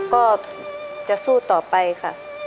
ก็จะสู้ต่อไปค่ะ